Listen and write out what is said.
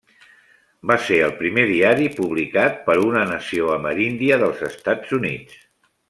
Va ser el primer diari publicat per una nació ameríndia dels Estats Units.